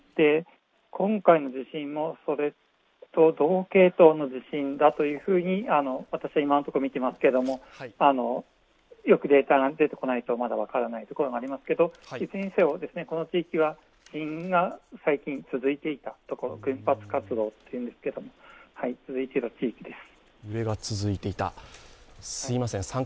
今回の地震もそれと同系統の地震だというふうに私は今のところみていますけどよくデータが出てこないとまだ分からないところがありますけどいずれにせよ、この地域は地震が最近続いている地域です。